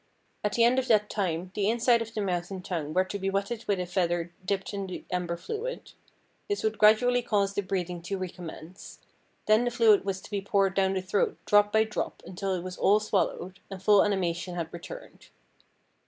At the end of that time the inside of the mouth and tongue were to be wetted with a feather dipped in the amber fluid. This would gradually cause the breathing to recommence. Then the fluid was to be poured down the throat drop by drop, until it was all swallowed, and full animation had returned.